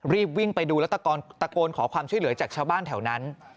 รีบวิ่งไปดูแล้วตะโกนขอความช่วยเหลือจากชาวบ้านแถวนั้น